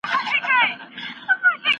ما د هغې ادعا پر ضد قوي دلایل پیدا کړل.